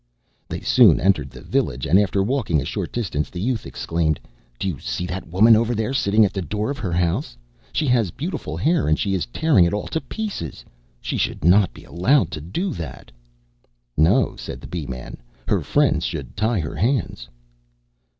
They soon entered the village, and after walking a short distance the youth exclaimed: "Do you see that woman over there sitting at the door of her house? She has beautiful hair and she is tearing it all to pieces. She should not be allowed to do that." "No," said the Bee man. "Her friends should tie her hands."